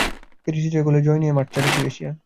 পেরিসিচের গোলে জয় নিয়েই মাঠ ছাড়ে ক্রোয়েশিয়া।